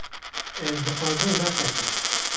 Ez dixwazim veqetim.